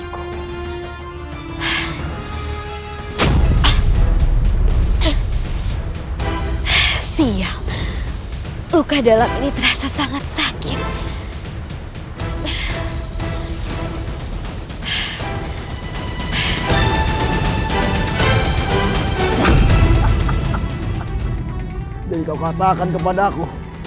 kau katimu akan mengalahkan aku